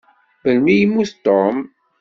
Melmi i yemmut Tom?